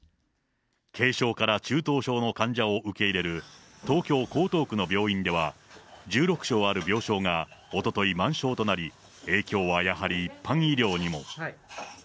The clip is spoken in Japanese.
軽症から中等症の患者を受け入れる東京・江東区の病院では、１６床ある病床がおととい、満床となり、影響はやはり一般医療にも。